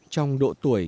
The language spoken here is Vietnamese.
trong độ tuổi